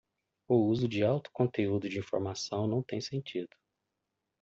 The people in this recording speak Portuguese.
O uso de alto conteúdo de informação não tem sentido.